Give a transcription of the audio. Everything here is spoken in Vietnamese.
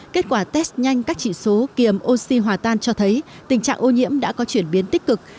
kết quả test nhanh các chỉ số kiềm oxy hòa tan cho thấy tình trạng ô nhiễm đã có chuyển biến tích cực